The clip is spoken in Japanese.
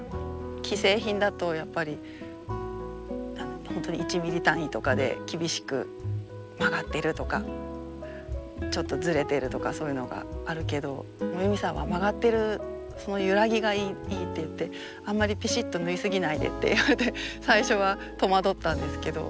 既製品だとやっぱり本当に１ｍｍ単位とかで厳しく「曲がってる」とか「ちょっとずれてる」とかそういうのがあるけどユミさんは「曲がってるその揺らぎがいい」って言って「あんまりぴしっと縫い過ぎないで」って言われて最初は戸惑ったんですけど。